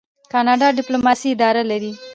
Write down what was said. کاناډا د ډیپلوماسۍ اداره لري.